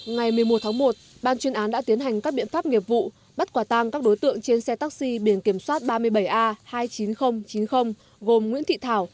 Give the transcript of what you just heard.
ngày một mươi một tháng một ban chuyên án đã tiến hành các biện pháp nghiệp vụ bắt quả tang các đối tượng trên xe taxi biển kiểm soát ba mươi bảy a hai mươi chín nghìn chín mươi gồm nguyễn thị thảo